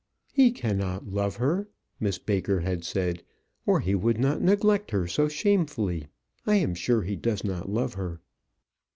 "He cannot love her," Miss Baker had said, "or he would not neglect her so shamefully. I am sure he does not love her."